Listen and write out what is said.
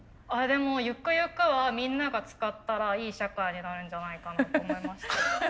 でもゆくゆくはみんなが使ったらいい社会になるんじゃないかなと思いました。